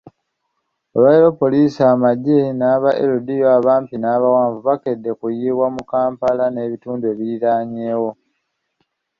Olwaleero Poliisi, amagye n'aba LDU abampi n'abawanvu bakedde kuyiibwa mu Kampala n'ebitundu ebiriranyeewo.